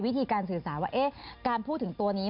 วิธีการสื่อสารว่าการพูดถึงตัวนี้